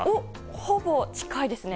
ほぼ近いですね。